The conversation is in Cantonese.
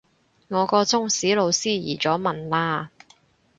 我個中史老師移咗民喇